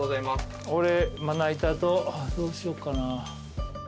俺まな板とどうしようかな。